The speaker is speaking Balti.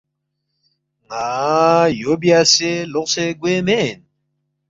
”ن٘ا یو بیاسے لوقسے گوے مین